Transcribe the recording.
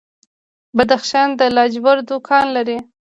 بدخشان د لاجوردو کان لري